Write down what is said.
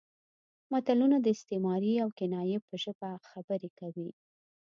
متلونه د استعارې او کنایې په ژبه خبرې کوي